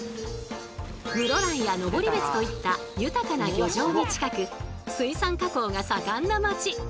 室蘭や登別といった豊かな漁場に近く水産加工が盛んな街。